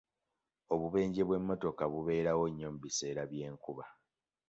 Obubenje bw'emmotoka bubeerawo nnyo mu biseera by'enkuba.